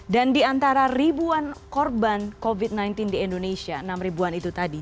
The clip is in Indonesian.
dan di antara ribuan korban covid sembilan belas di indonesia enam ribuan itu tadi